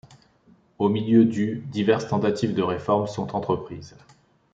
Au milieu du diverses tentatives de réformes sont entreprises.